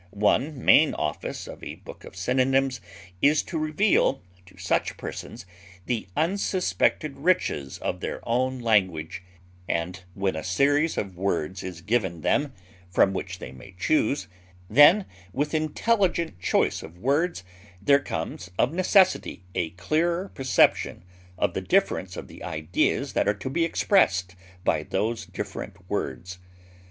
One main office of a book of synonyms is to reveal to such persons the unsuspected riches of their own language; and when a series of words is given them, from which they may choose, then, with intelligent choice of words there comes of necessity a clearer perception of the difference of the ideas that are to be expressed by those different words.